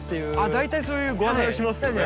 大体そういうご案内をしますよね。